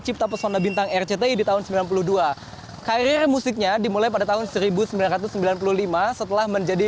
cipta pesona bintang rcti di tahun sembilan puluh dua karir musiknya dimulai pada tahun seribu sembilan ratus sembilan puluh lima setelah menjadi